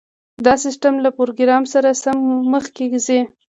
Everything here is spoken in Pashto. دا سیستم له پروګرام سره سم مخکې ځي